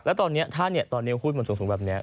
แล้วตอนนี้ถ้าเนี่ยตอนนี้คุณมันสูงแบบนี้